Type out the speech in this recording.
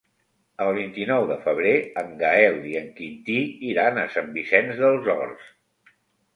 El vint-i-nou de febrer en Gaël i en Quintí iran a Sant Vicenç dels Horts.